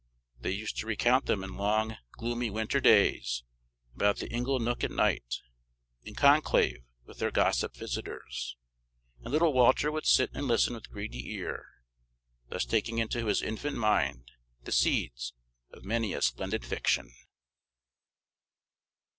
They used to recount them in long, gloomy winter days, and about the ingle nook at night, in conclave with their gossip visitors; and little Walter would sit and listen with greedy ear; thus taking into his infant mind the seeds of many a splendid fiction.